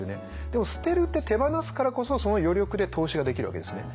でも捨てるって手放すからこそその余力で投資ができるわけですね。